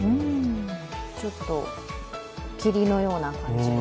ちょっと霧のような感じで。